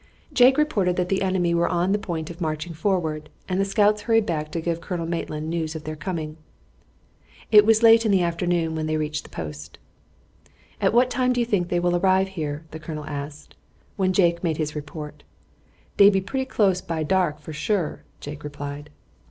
Jake reported that the enemy were on the point of marching forward, and the scouts hurried back to give Colonel Maitland news of their coming. It was late in the afternoon when they reached the post. "At what time do you think they will arrive here?" the colonel asked, when Jake had made his report. "Dey be pretty close by dark, for sure," Jake replied.